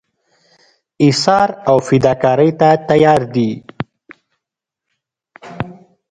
ایثار او فداکارۍ ته تیار دي.